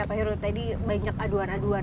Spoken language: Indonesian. ya pak hiru tadi banyak aduan aduan